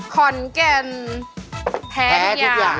ขอนเก็นหมดแสน